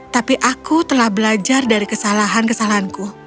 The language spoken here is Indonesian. tapi aku telah belajar dari kesalahan kesalahanku